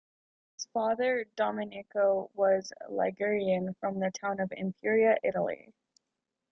His father Domenico was Ligurian, from the town of Imperia, Italy.